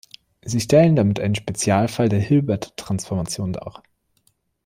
Sie stellen damit einen Spezialfall der Hilbert-Transformation dar.